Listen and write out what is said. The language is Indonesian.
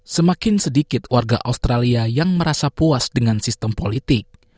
semakin sedikit warga australia yang merasa puas dengan sistem politik